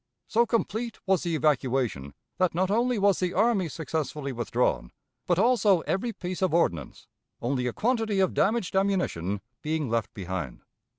So complete was the evacuation, that not only was the army successfully withdrawn, but also every piece of ordnance, only a quantity of damaged ammunition being left behind.